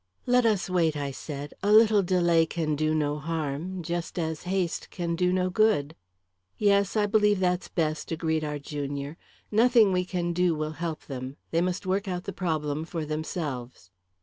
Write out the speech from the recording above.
"Let us wait," I said. "A little delay can do no harm; just as haste can do no good." "Yes; I believe that's best," agreed our junior. "Nothing we can do will help them. They must work out the problem for themselves."